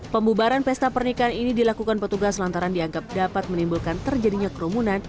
pembubaran pesta pernikahan ini dilakukan petugas lantaran dianggap dapat menimbulkan terjadinya kerumunan